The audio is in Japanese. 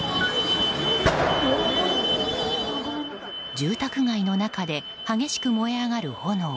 住宅街の中で激しく燃え上がる炎。